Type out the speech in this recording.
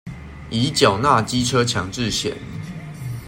已繳納機車強制險